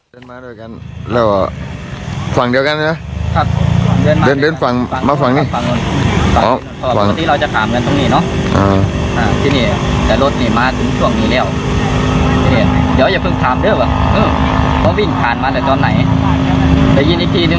เดินมาด้วยกันเราฝั่งเดียวกันใช่ไหมครับเดินฝั่งมาฝั่งนี่ฝั่งตรงนี้